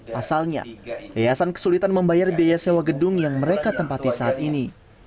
pasalnya yayasan kesulitan membayar biaya sewa gedung yang mereka tempati saat ini